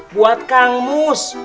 buat kang mus